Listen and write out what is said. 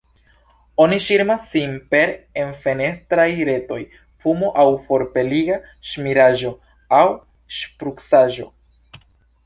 Oni ŝirmas sin per enfenestraj retoj, fumo aŭ forpeliga ŝmiraĵo aŭ ŝprucaĵo.